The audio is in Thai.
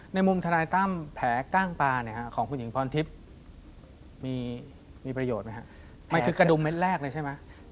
ในมุมธนายตั้มแผลกล้างปลาของคุณหญิงพรทิพย์มีประโยชน์ไหมครับมันคือกระดุมเม็ดแรกเลยใช่ไหม